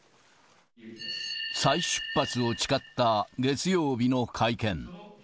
再出発を誓った月曜日の会見。